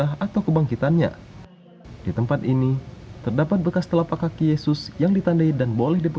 pada tembok batunya masih terdapat bekas darah yesus dan coakan yang berkokok